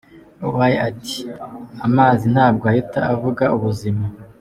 Way ati "Amazi ntabwo ahita avuga ubuzima.